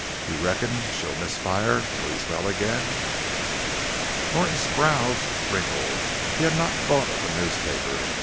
"You reckon she'll miss fire till he's well again?" Norton's brows wrinkled; he had not thought of the newspaper.